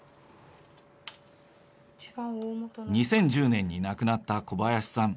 ２０１０年に亡くなった小林さん。